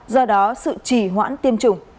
do đó sự chỉ hoãn tiêm chủng